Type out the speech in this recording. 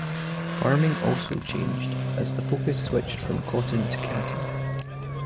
Farming also changed as the focus switched from cotton to cattle.